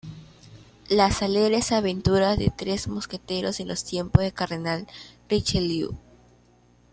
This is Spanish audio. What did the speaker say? Las alegres aventuras de tres mosqueteros en los tiempos del cardenal Richelieu.